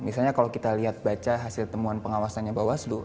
misalnya kalau kita lihat baca hasil temuan pengawasannya bawaslu